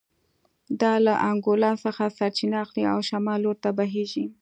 دا له انګولا څخه سرچینه اخلي او شمال لور ته بهېږي